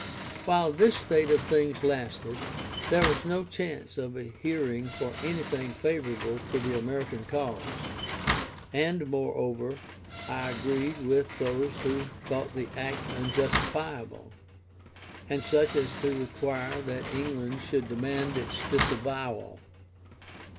While this state of things lasted, there was no chance of a hearing for anything favourable to the American cause; and, moreover, I agreed with those who thought the act unjustifiable, and such as to require that England should demand its disavowal.